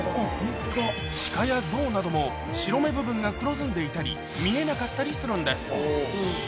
シカやゾウなども、白目部分が黒ずんでいたり、見えなかったりするんです。